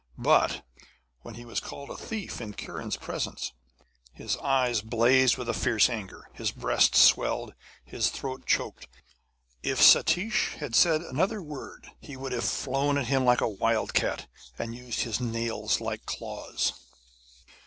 But, when he was called a thief in Kiran's presence, his eyes blazed with a fierce anger, his breast swelled, and his throat choked. If Satish had said another word he would have flown at him like a wild cat, and used his nails like claws.